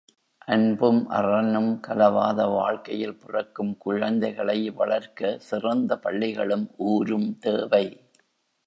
அன்பும், அறனும் கலவாத வாழ்க்கையில் பிறக்கும் குழந்தைகளை வளர்க்க, சிறந்த பள்ளிகளும் ஊரும் தேவை.?